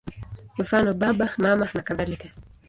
Mfano: Baba, Mama nakadhalika.